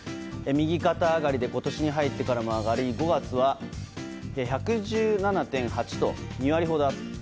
右肩上がりで今年に入ってからも上がり５月は１１７．８と２割ほどアップ。